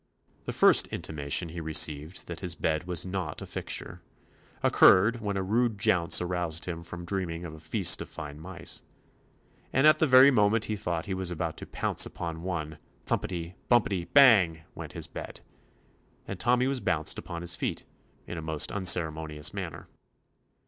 The first intimation he received that his bed was not a fixture, occurred when a rude jounce aroused him from dream ing of a feast of fine mice, and at the very moment he thought he was about to pounce upon one, — thumpety — bumpety — ^bang! went his bed, and Tommy was bounced upon his feet in a most unceremonious manner.